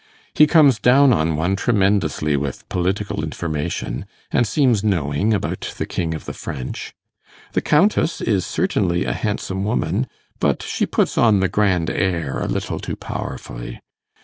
He comes down on one tremendously with political information, and seems knowing about the king of the French. The Countess is certainly a handsome woman, but she puts on the grand air a little too powerfully.